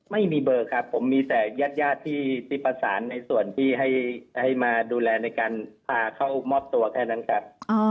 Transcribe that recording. ไม่มีเบอร์ครับผมมีแต่ญาติญาติที่ประสานในส่วนที่ให้มาดูแลในการพาเข้ามอบตัวแค่นั้นครับ